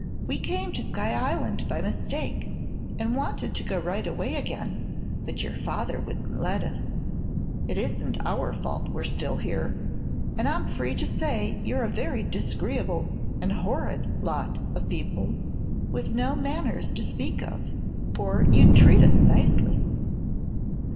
"We came to Sky Island by mistake, and wanted to go right away again; but your father wouldn't let us. It isn't our fault we're still here, an' I'm free to say you're a very dis'gree'ble an' horrid lot of people, with no manners to speak of, or you'd treat us nicely."